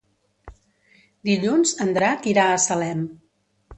Dilluns en Drac irà a Salem.